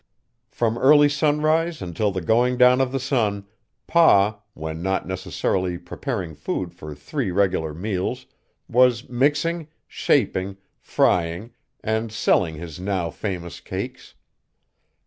From early sunrise until the going down of the sun, Pa, when not necessarily preparing food for three regular meals, was mixing, shaping, frying, and selling his now famous cakes.